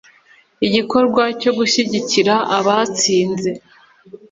igikorwa cyo gushyikiriza abatsinze